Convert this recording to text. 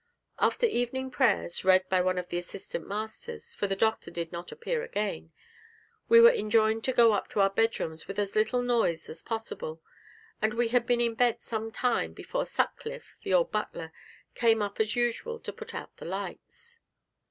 After evening prayers, read by one of the assistant masters, for the Doctor did not appear again, we were enjoined to go up to our bedrooms with as little noise as possible, and we had been in bed some time before Sutcliffe, the old butler, came up as usual to put out the lights.